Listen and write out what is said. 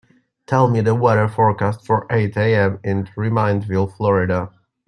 Tell me the weather forecast for eight A.m. in Reminderville, Florida